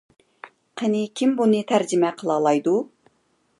قېنى كىم بۇنى تەرجىمە قىلالايدۇ؟